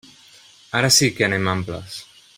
Ara sí que anem amples.